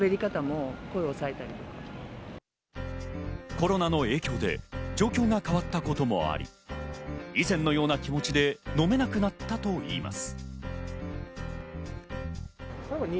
コロナの影響で状況が変わったこともあり、以前のような気持ちで飲めなくなったといいます。